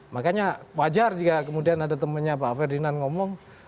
makanya wajar jika kemudian ada temannya pak ferdinand ngomong